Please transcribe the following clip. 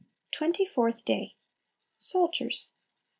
Twenty fourth Day. Soldiers.